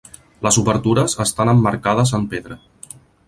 Les obertures estan emmarcades en pedra.